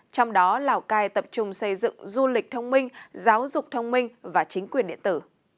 trong đó lào cai tập trung xây dựng du lịch thông minh giáo dục thông minh và chính quyền điện tử